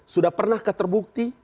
sudah pernah keterbukti